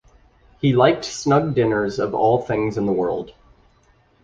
He liked snug dinners of all things in the world.